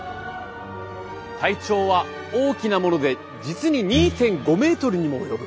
体長は大きなもので実に２．５メートルにも及ぶ。